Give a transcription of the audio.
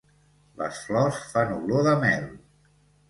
Les flors fan olor de mel.